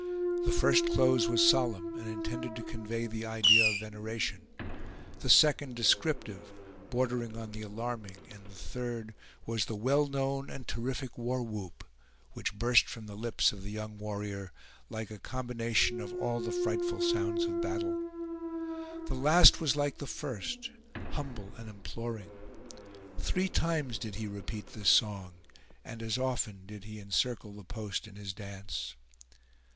The first close was solemn, and intended to convey the idea of veneration; the second descriptive, bordering on the alarming; and the third was the well known and terrific war whoop, which burst from the lips of the young warrior, like a combination of all the frightful sounds of battle. The last was like the first, humble and imploring. Three times did he repeat this song, and as often did he encircle the post in his dance.